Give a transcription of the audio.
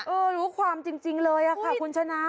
รู้ความจริงเลยค่ะคุณชนะ